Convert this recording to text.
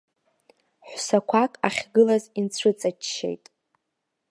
Ҳәсақәак ахьгылаз инцәыҵаччеит.